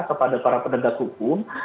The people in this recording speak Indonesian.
kepada para pendana hukum